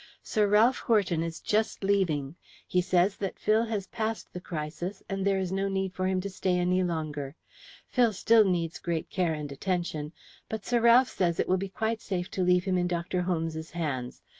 "Sir Ralph Horton is just leaving. He says that Phil has passed the crisis, and there is no need for him to stay any longer. Phil still needs great care and attention, but Sir Ralph says it will be quite safe to leave him in Dr. Holmes's hands.